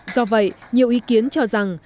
do vậy nhiều ý kiến cho rằng